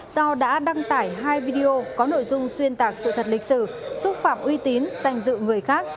do đã đăng tải hai video có nội dung xuyên tạc sự thật lịch sử xúc phạm uy tín danh dự người khác